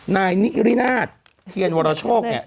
นายนิรินาศเหี้ยนวรช่วง